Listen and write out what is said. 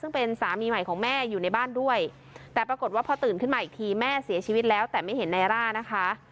ซึ่งเป็นสามีใหม่ของแม่อยู่ในบ้านด้วยแต่ปรากฏว่าพอตื่นขึ้นมาอีกทีแม่เสียชีวิตแล้วแต่ไม่เห็นนายร่านะคะ